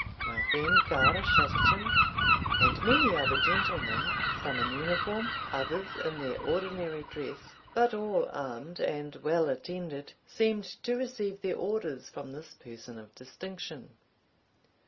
My friend Garschattachin, and many other gentlemen, some in uniform, others in their ordinary dress, but all armed and well attended, seemed to receive their orders from this person of distinction.